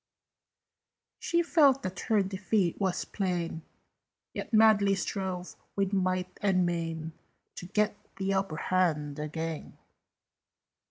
She felt that her defeat was plain, Yet madly strove with might and main To get the upper hand again.